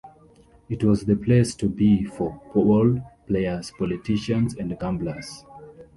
It was the place to be for ballplayers, politicians, and gamblers.